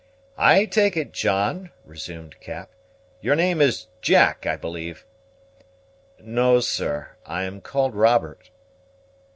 "I take it, John " resumed Cap. "Your name is Jack, I believe?" "No, sir; I am called Robert."